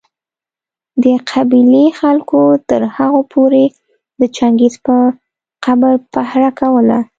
د قبېلې خلکو تر هغو پوري د چنګېز په قبر پهره کوله